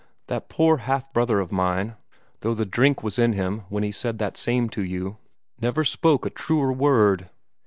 That poor half brother of mine, though the drink was in him when he said that same to you, never spoke a truer word.